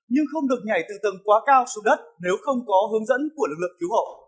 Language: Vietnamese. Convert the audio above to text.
nhưng không được nhảy từ tầng quá cao xuống đất nếu không có hướng dẫn của lực lượng cứu hộ